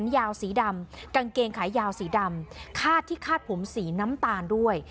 ยาวสีดำกางเกงขายาวสีดำคาดที่คาดผมสีน้ำตาลด้วย